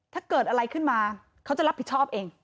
ถ้าเกิดอะไรขึ้นมาเขาจะรับผิดชอบเอง